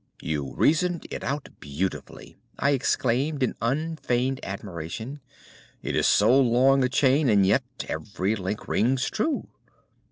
"You reasoned it out beautifully," I exclaimed in unfeigned admiration. "It is so long a chain, and yet every link rings true."